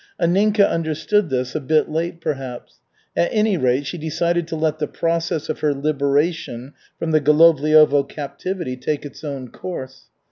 Anninka understood this, a bit late, perhaps. At any rate, she decided to let the process of her liberation from the Golovliovo captivity take its own course.